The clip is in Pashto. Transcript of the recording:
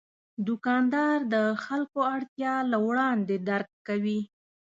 دوکاندار د خلکو اړتیا له وړاندې درک کوي.